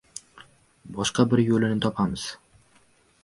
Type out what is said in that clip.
Boshqa bir yo‘lini topamiz.